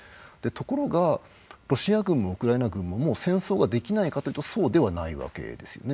ところがロシア軍もウクライナ軍ももう戦争ができないかというとそうではないわけですよね。